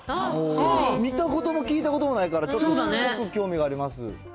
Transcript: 見たことも聞いたこともないから、ちょっとすごく興味があります。